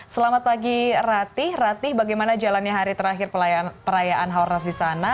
selamat pagi ratih ratih bagaimana jalannya hari terakhir perayaan haornas di sana